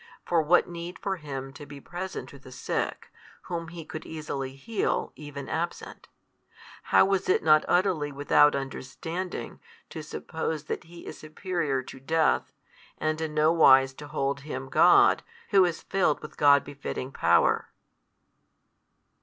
For what need for Him to be present to the sick, whom He could easily heal, even absent? how was it not utterly without understanding to suppose that He is superior to death, and in no wise to hold Him God Who is filled with God befitting Power?